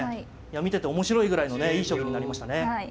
見てて面白いぐらいのねいい勝負になりましたね。